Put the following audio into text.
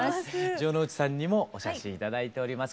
城之内さんにもお写真頂いております。